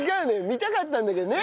見たかったんだけどね。